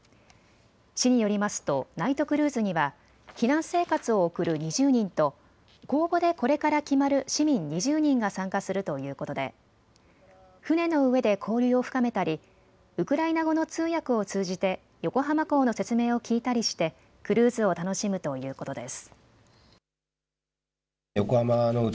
市によりますとナイトクルーズには避難生活を送る２０人と公募でこれから決まる市民２０人が参加するということで船の上で交流を深めたりウクライナ語の通訳を通じて横浜港の説明を聞いたりしてクルーズを楽しむということです。